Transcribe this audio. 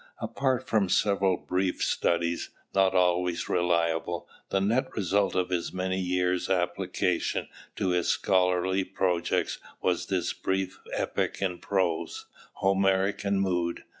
Apart from several brief studies, not always reliable, the net result of his many years' application to his scholarly projects was this brief epic in prose, Homeric in mood.